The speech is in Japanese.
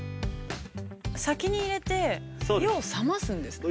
◆先に入れて、要は、冷ますんですね。